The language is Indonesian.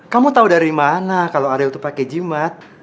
kamu tau dari mana kalo aryli tuh pake jimat